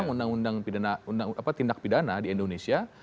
undang undang tindak pidana di indonesia